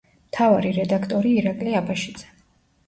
მთავარი რედაქტორი ირაკლი აბაშიძე.